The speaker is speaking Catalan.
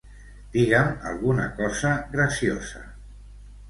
Digue'm alguna cosa graciosa.